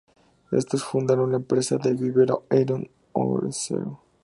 Estos fundaron la empresa "The Vivero Iron Ore Co.